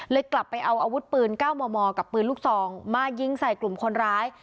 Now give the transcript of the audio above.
กลับไปเอาอาวุธปืน๙มมกับปืนลูกซองมายิงใส่กลุ่มคนร้าย